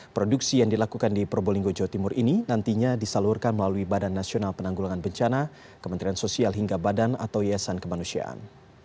produksi yang dilakukan di probolinggo jawa timur ini nantinya disalurkan melalui badan nasional penanggulangan bencana kementerian sosial hingga badan atau yayasan kemanusiaan